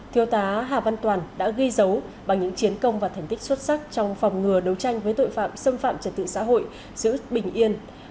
thiếu tá hà văn toàn đã ghi dấu bằng những chiến công và thành tích xuất sắc trong phòng ngừa đấu tranh với tội phạm xâm phạm trật tự xã hội giữ bình yên